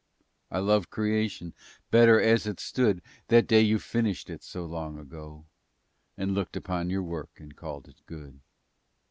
I love creation better as it stood That day You finished it so long ago And looked upon Your work and called it good.